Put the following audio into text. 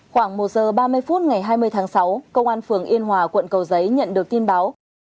khoảng một giờ ba mươi phút ngày hai mươi tháng sáu công an phường yên hòa quận cầu giấy nhận được tin báo